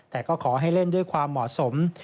แต่ก็ขอให้เล่นด้วยความเหมาะสม